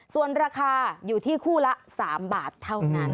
ส่วนราคาอยู่ที่คู่ละ๓บาทเท่านั้น